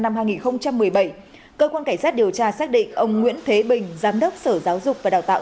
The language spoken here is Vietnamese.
năm hai nghìn một mươi bảy cơ quan cảnh sát điều tra xác định ông nguyễn thế bình giám đốc sở giáo dục và đào tạo